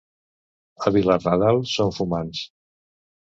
A Vilarnadal són fumats.